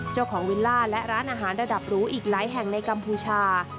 วิลล่าและร้านอาหารระดับหรูอีกหลายแห่งในกัมพูชา